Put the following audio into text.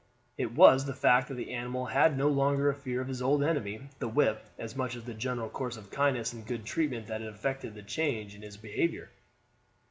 It was the fact that the animal had no longer a fear of his old enemy the whip as much as the general course of kindness and good treatment that had effected the change in his behavior.